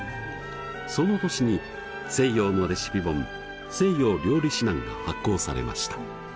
その年に西洋のレシピ本「西洋料理指南」が発行されました。